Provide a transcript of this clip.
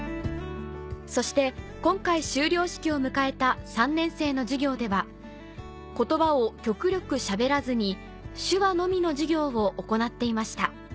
そして今回修了式を迎えた３年生の授業では言葉を極力しゃべらずに手話のみの授業を行っていました